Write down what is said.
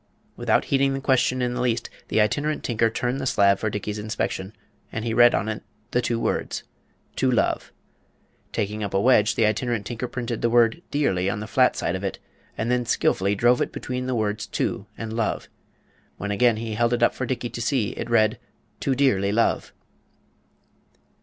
Without heeding the question in the least the Itinerant Tinker turned the slab for Dickey's inspection, and he read on it the two words, TO LOVE. Taking up a wedge the Itinerant Tinker printed the word DEARLY on the flat side of it, and then skilfully drove it between the words TO and LOVE. When he again held it up for Dickey to see, it read: TO DEARLY LOVE.